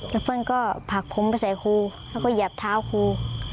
แล้วเฟิลก็ผลักผมไปใส่ครูแล้วก็เหยียบเท้าครู